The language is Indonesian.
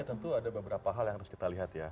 tentu ada beberapa hal yang harus kita lihat ya